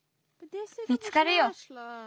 見つかるよ。